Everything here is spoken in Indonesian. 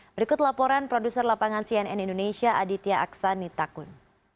berikut laporan produser lapangan cnn indonesia aditya aksanitakun